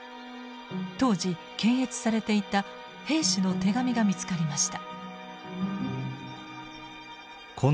当時検閲されていた兵士の手紙が見つかりました。